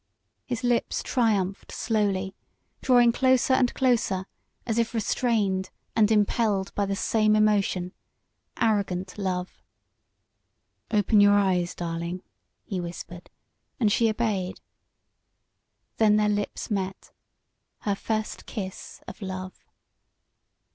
His lips triumphed slowly, drawing closer and closer as if restrained and impelled by the same emotion arrogant love. "Open your eyes, darling," he whispered, and she obeyed. Then their lips met her first kiss of love!